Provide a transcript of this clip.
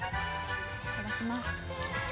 いただきます。